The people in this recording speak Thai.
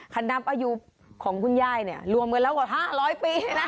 คำนับอายุของคุณย่ายรวมกันแล้วกว่า๕๐๐ปี